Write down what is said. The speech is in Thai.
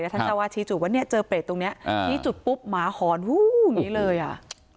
ท่านเจ้าวาดชี้จุดว่าเนี่ยเจอเปรตตรงนี้ชี้จุดปุ๊บหมาหอนหู้อย่างนี้เลยอ่ะ